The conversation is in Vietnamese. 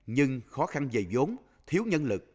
nhưng khó khăn về vốn thiếu nhân lực